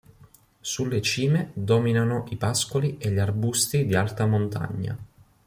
Sulle cime dominano i pascoli e gli arbusti di alta montagna.